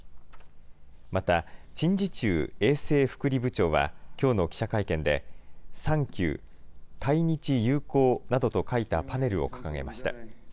また、陳時中衛生福利部長はきょうの記者会見で、ＴＨＡＮＫＹＯＵ、対日友好などと書いたパネルを掲げました。